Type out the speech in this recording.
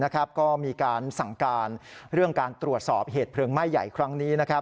ก็มีการสั่งการเรื่องการตรวจสอบเหตุเพลิงไหม้ใหญ่ครั้งนี้